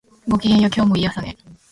ごきげんよう、今日もいい朝ね